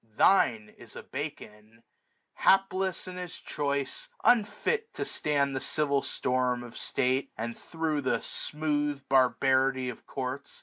Thine is a Bacon ; hapless in his choice. Unfit to stand the civil storm of state, 1535 And thro' the smooth barbarity of courts.